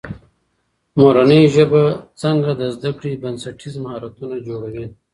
مورنۍ ژبه څنګه د زده کړې بنسټيز مهارتونه جوړوي؟